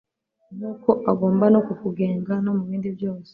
nk'uko agomba no kukugenga no mu bindi byose